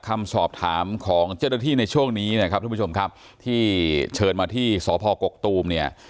คำสอบถามของเจ้าหน้าที่ในช่วงนี้นะครับทุกผู้ชมครับที่เชิญมาที่สพกกตูมเนี่ย